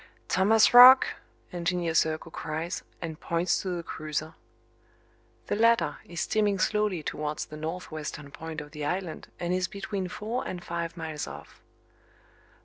"Thomas Roch!" Engineer Serko cries, and points to the cruiser. The latter is steaming slowly towards the northwestern point of the island and is between four and five miles off.